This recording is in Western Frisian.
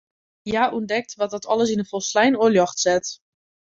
Hja ûntdekt wat dat alles yn in folslein oar ljocht set.